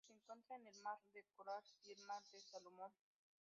Se encuentra en el Mar del Coral y el Mar de Salomón.